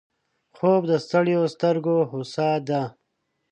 خوب د ستړیو سترګو هوسا ده